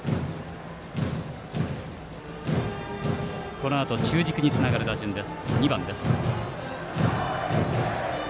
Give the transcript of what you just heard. このあと中軸につながる打順、２番です。